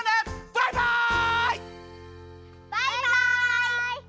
バイバイ。